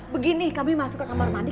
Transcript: begini kami masuk ke kamar mandi